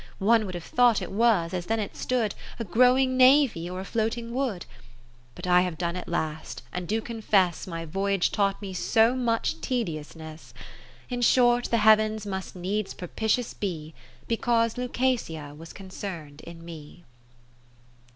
One would have thought it was, as then it stood, A growing navy, or a floating wood. But I have done at last, and do confess My voyage taught me so much tediousness. In short, the Heav'ns must needs propitious be, Because Lucasia was concern'd in me.